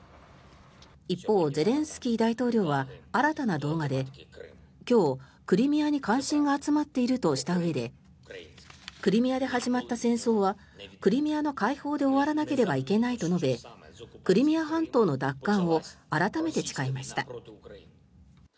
一方、ゼレンスキー大統領は新たな動画で今日、クリミアに関心が集まっているとしたうえでクリミアで始まった戦争はクリミアの解放で終わらなければいけないと述べクリミア半島の奪還を改めて誓いました。